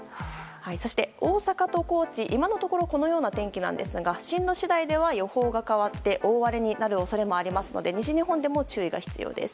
そして大阪と高知今のところこのような天気ですが進路次第では予報が変わって大荒れになる恐れもあるので西日本でも注意が必要です。